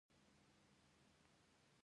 د تخار په نمک اب کې د مالګې لوی کان دی.